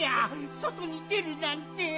そとにでるなんて！